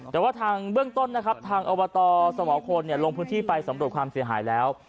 แต่ว่าทางเบื้องต้นนะครับทางอบตสมควรลงพื้นที่ไปสำรวจความเสียหายแล้ว